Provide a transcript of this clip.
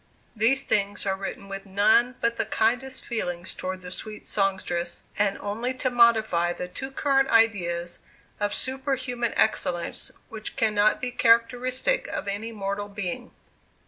These things are written with none but the kindest feelings towards the sweet songstress, and only to modify the too current ideas of superhuman excellence which cannot be characteristic of any mortal being.